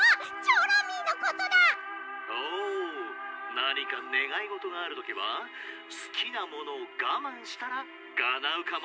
「なにかねがいごとがあるときはすきなものをがまんしたらかなうかも。